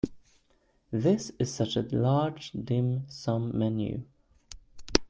This is such a large dim sum menu.